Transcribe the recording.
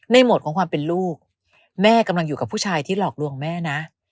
โหมดของความเป็นลูกแม่กำลังอยู่กับผู้ชายที่หลอกลวงแม่นะ